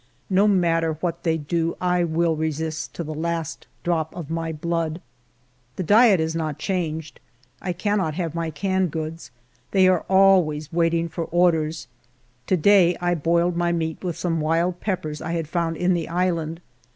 No matter what they do^ I will resist to the last drop of my blood. The diet has not changed : I cannot have my canned goods ; they are always waiting for orders. To day I boiled my meat with some wild peppers I had found in the island.